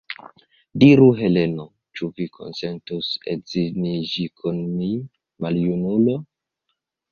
Diru, Heleno, ĉu vi konsentus edziniĝi kun mi, maljunulo?